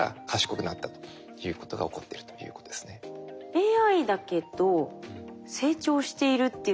ＡＩだけど成長しているっていうのが。